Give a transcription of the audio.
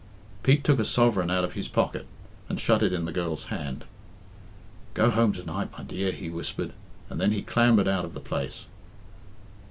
Pete took a sovereign out of his pocket, and shut it in the girl's hand. "Go home to night, my dear," he whispered, and then he clambered out of the place.